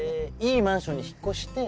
いいマンションに引っ越して。